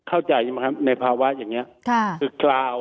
เข้าใจใช่ไหมครับในภาวะอย่างนี้คือกล่าว